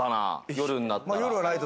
夜になったら。